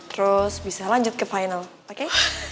terus bisa lanjut ke final oke